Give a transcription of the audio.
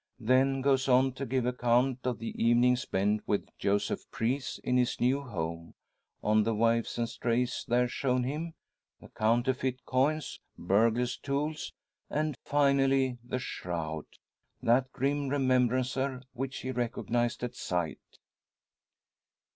Then goes on to give account of the evening spent with Joseph Preece in his new home; of the waifs and strays there shown him; the counterfeit coins, burglars' tools, and finally the shroud that grim remembrancer, which he recognised at sight!